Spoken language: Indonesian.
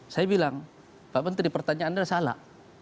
saya bilang pak menteri pertanyaan anda salah